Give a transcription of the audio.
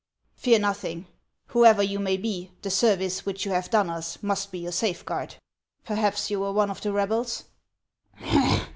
" Fear nothing. Whoever you may be, the service which you have done us must be your safeguard. Perhaps you were one of the rebels